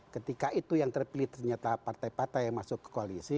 ketika itu yang terpilih ternyata partai partai yang masuk ke koalisi